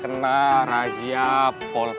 gue gak mau kerja sama sama cowok cowok